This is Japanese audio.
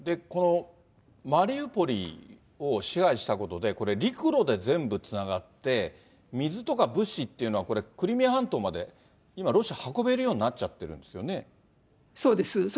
このマリウポリを支配したことで、これ、陸路で全部つながって水とか物資っていうのは、これ、クリミア半島まで、今、ロシア、運べるようになっちゃってるんでそうです。